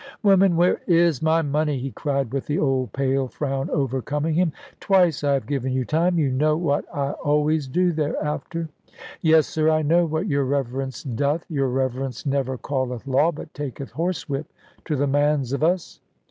"Woman, where is my money?" he cried, with the old pale frown overcoming him; "twice I have given you time. You know what I always do thereafter." "Yes, sir, I know what your Reverence doth. Your Reverence never calleth law, but taketh horsewhip to the mans of us."